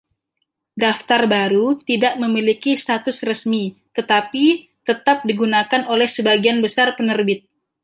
Daftar baru tidak memiliki status resmi, tetapi tetap digunakan oleh sebagian besar penerbit.